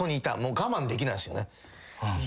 我慢できないですよね。